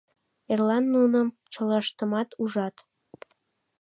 Эрла нуным чылаштымат ужат.